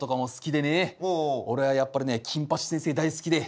俺はやっぱりね金八先生大好きで。